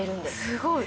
すごい。